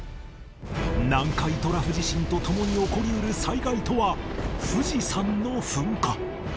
南海トラフ地震と共に起こりうる災害とは富士山の噴火